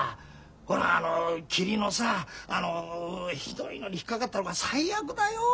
ほらあのキリのさあのひどいのに引っ掛かったら最悪だよ。